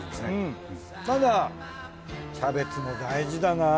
ただキャベツも大事だなぁ。